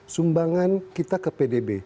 sumbangan kita ke pdb